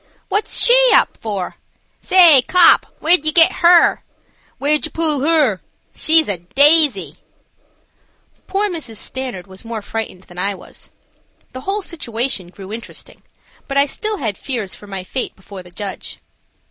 "What's she up for?" "Say, kop, where did ye get her?" "Where did yer pull 'er?" "She's a daisy!" Poor Mrs. Stanard was more frightened than I was. The whole situation grew interesting, but I still had fears for my fate before the judge.